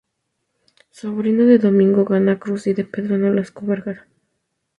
Sobrino de Domingo Gana Cruz y de Pedro Nolasco Cruz Vergara.